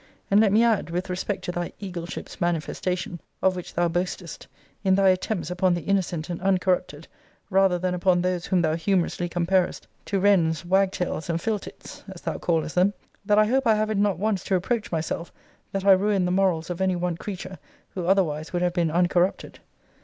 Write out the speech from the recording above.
And let me add, with respect to thy eagleship's manifestation, of which thou boastest, in thy attempts upon the innocent and uncorrupted, rather than upon those whom thou humourously comparest to wrens, wagtails, and phyl tits, as thou callest them,* that I hope I have it not once to reproach myself, that I ruined the morals of any one creature, who otherwise would have been uncorrupted.